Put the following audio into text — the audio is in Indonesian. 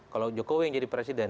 kalau jokowi yang jadi presiden